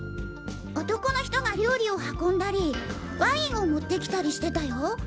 男の人が料理を運んだりワインを持ってきたりしてたよ。